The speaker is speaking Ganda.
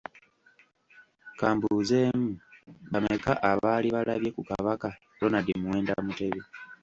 Ka mbuuzeemu, bameka abaali balabye ku Kabaka Ronald Muwenda Mutebi?